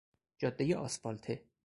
جادهی آسفالته